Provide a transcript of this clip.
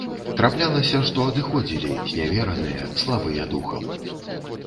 Траплялася, што адыходзілі, знявераныя, слабыя духам.